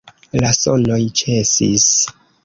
La sonoj ĉesis.